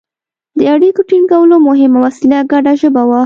د اړیکو ټینګولو مهمه وسیله ګډه ژبه وه.